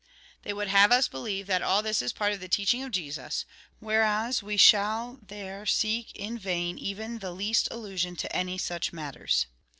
They would have us believe that all this is part of the teaching of Jesus ; whereas we shall there seek in vain even the least allusion to any such matters.